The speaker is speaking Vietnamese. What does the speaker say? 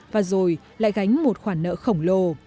và rồi lại gánh một khoản nợ khổng lồ